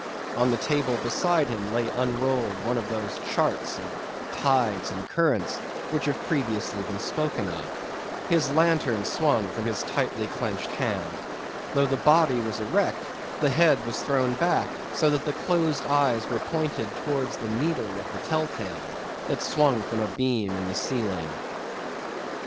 On the table beside him lay unrolled one of those charts of tides and currents which have previously been spoken of. His lantern swung from his tightly clenched hand. Though the body was erect, the head was thrown back so that the closed eyes were pointed towards the needle of the tell tale that swung from a beam in the ceiling.